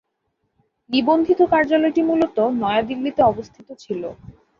নিবন্ধিত কার্যালয়টি মূলত নয়াদিল্লিতে অবস্থিত ছিল।